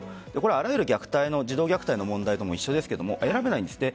あらゆる児童虐待の問題とも一緒ですが選べないんです。